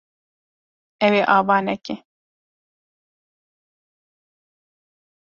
Ew ê ava neke.